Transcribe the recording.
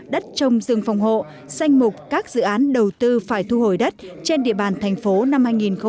đất trồng rừng phòng hộ danh mục các dự án đầu tư phải thu hồi đất trên địa bàn thành phố năm hai nghìn một mươi chín